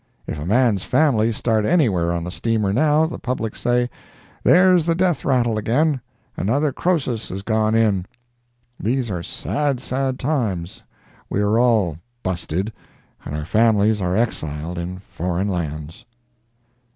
If a man's family start anywhere on the steamer now, the public say: "There's the death rattle again—another Croesus has gone in." These are sad, sad, times. We are all "busted," and our families are exiled in foreign lands.